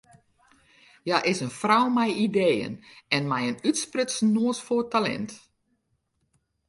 Hja is in frou mei ideeën en mei in útsprutsen noas foar talint.